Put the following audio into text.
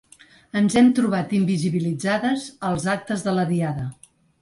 Ens hem trobat invisibilitzades als actes de la Diada.